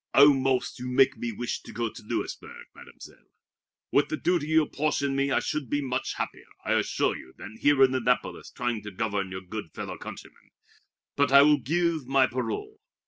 "Almost you make me wish to go to Louisburg, Mademoiselle. With the duty you apportion me I should be much happier, I assure you, than here in Annapolis trying to govern your good fellow countrymen. But I will give my parole.